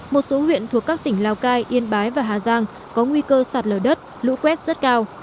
một số huyện thuộc các tỉnh lào cai yên bái và hà giang có nguy cơ sạt lở đất lũ quét rất cao